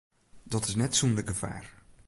Dat is net sûnder gefaar.